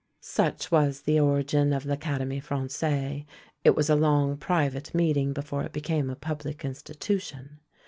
Such was the origin of L'ACADEMIE FRANCAISE; it was long a private meeting before it became a public institution.